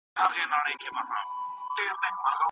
لارښود د شاګردانو پوښتنو ته ځوابونه وايي.